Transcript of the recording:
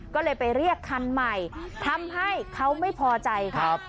ก็เลยไปเรียกคันใหม่ทำให้เขาไม่พอใจครับ